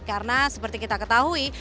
karena seperti kita ketahui